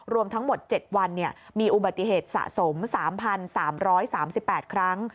รวมทั้งหมด๗วันมีอุบัติเหตุสะสม๓๓๘ครั้ง